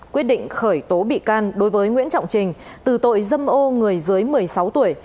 quyết định khởi tố bị can đối với nguyễn trọng trình từ tội dâm ô người dưới một mươi sáu tuổi